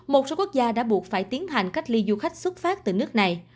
một số quốc gia đã buộc phải tiến hành cách ly du khách xuất phát từ nước này